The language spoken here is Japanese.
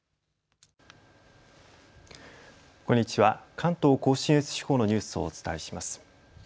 関東甲信越地方のニュースをお伝えします。